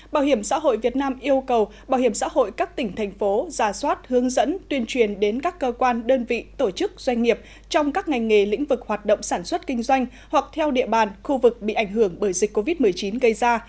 bảo hiểm xã hội việt nam yêu cầu bảo hiểm xã hội các tỉnh thành phố giả soát hướng dẫn tuyên truyền đến các cơ quan đơn vị tổ chức doanh nghiệp trong các ngành nghề lĩnh vực hoạt động sản xuất kinh doanh hoặc theo địa bàn khu vực bị ảnh hưởng bởi dịch covid một mươi chín gây ra